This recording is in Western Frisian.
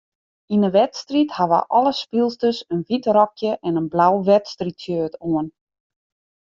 Yn 'e wedstriid hawwe alle spylsters in wyt rokje en in blau wedstriidshirt oan.